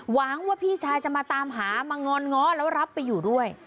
หวังว่าพี่ชายจะมาตามหามางอนง้อแล้วรับไปอยู่ด้วย